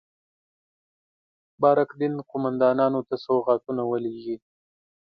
بارک دین قوماندانانو ته سوغاتونه ولېږي.